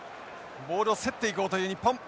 ボールを競っていこうという日本。